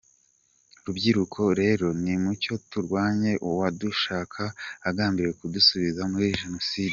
Rubyiruko rero nimucyo turwanye uwadushuka agambiriye kudusubiza muri Jenoside.